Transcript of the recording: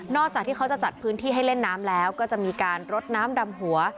จากที่เขาจะจัดพื้นที่ให้เล่นน้ำแล้วก็จะมีการรดน้ำดำหัว